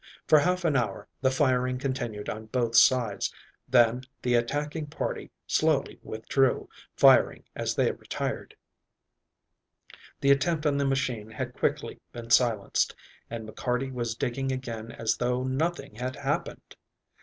For half an hour the firing continued on both sides, then the attacking party slowly withdrew, firing as they retired. The attempt on the machine had quickly been silenced, and McCarty was digging again as though nothing had happened.